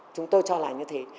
chúng tôi cho lại như thế